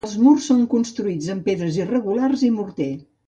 Els murs són construïts amb pedres irregulars i morter.